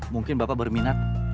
mungkin bapak berminat